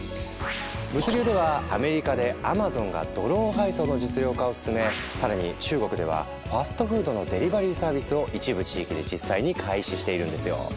物流ではアメリカでＡｍａｚｏｎがドローン配送の実用化を進め更に中国ではファストフードのデリバリーサービスを一部地域で実際に開始しているんですよ。